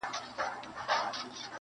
تبر ځکه زما سینې ته را رسیږي-